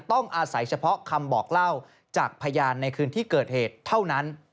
ต้องอาศัยเฉพาะคำบอกเล่าจากพยานในคืนที่เกิดเหตุเท่านั้น